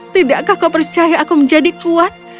tidakkah kau percaya aku menjadi kuat